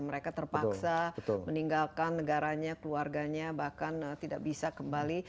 mereka terpaksa meninggalkan negaranya keluarganya bahkan tidak bisa kembali